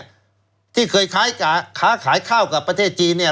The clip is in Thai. คือเคยค้าขายคร่องมากับประเทศจีนเนี่ย